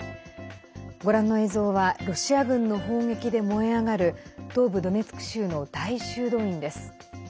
ご覧の映像はロシア軍の砲撃で燃え上がる東部ドネツク州の大修道院です。